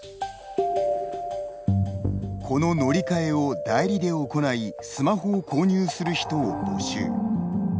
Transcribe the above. この乗り換えを代理で行いスマホを購入する人を募集。